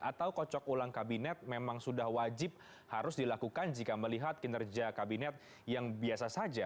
atau kocok ulang kabinet memang sudah wajib harus dilakukan jika melihat kinerja kabinet yang biasa saja